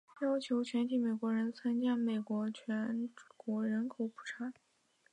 要求全体美国人参与美国全国人口普查。